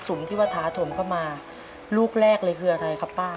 มรสุนที่วัฒนธรรมเขามาลูกแรกเลยคืออะไรครับป้า